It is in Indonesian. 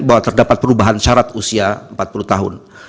bahwa terdapat perubahan syarat usia empat puluh tahun